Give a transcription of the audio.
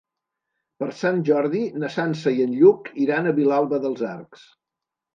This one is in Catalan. Per Sant Jordi na Sança i en Lluc iran a Vilalba dels Arcs.